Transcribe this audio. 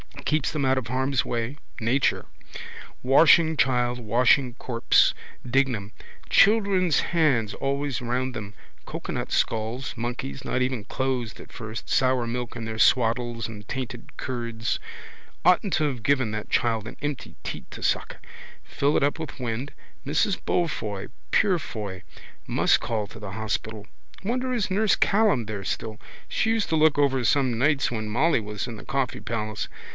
Keeps them out of harm's way. Nature. Washing child, washing corpse. Dignam. Children's hands always round them. Cocoanut skulls, monkeys, not even closed at first, sour milk in their swaddles and tainted curds. Oughtn't to have given that child an empty teat to suck. Fill it up with wind. Mrs Beaufoy, Purefoy. Must call to the hospital. Wonder is nurse Callan there still. She used to look over some nights when Molly was in the Coffee Palace.